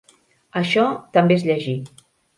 Això també és llegir.